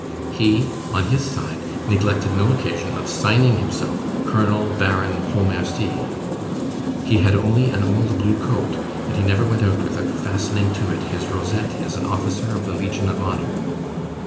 He, on his side, neglected no occasion of signing himself "Colonel Baron Pontmercy." He had only an old blue coat, and he never went out without fastening to it his rosette as an officer of the Legion of Honor.